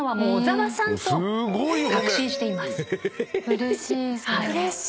うれしい！